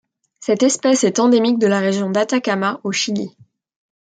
Cette espèce est endémique de la région d'Atacama au Chili.